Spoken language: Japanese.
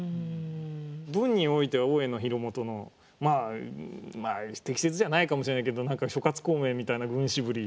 文においては大江広元のまあ適切じゃないかもしれないけど何か諸孔明みたいな軍師ぶり。